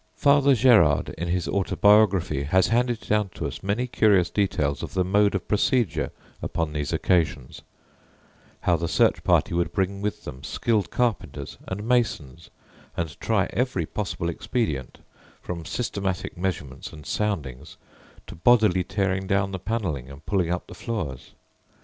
Father Gerard, in his Autobiography, has handed down to us many curious details of the mode of procedure upon these occasions how the search party would bring with them skilled carpenters and masons and try every possible expedient, from systematic measurements and soundings to bodily tearing down the panelling and pulling up the floors.